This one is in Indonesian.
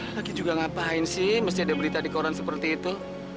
lagi juga ngapain sih mesti ada berita di koran seperti itu